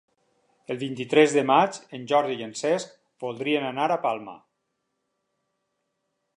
El vint-i-tres de maig en Jordi i en Cesc voldrien anar a Palma.